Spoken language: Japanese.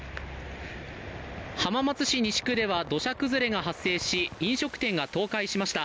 浜松市西区では土砂崩れが発生し飲食店が倒壊しました。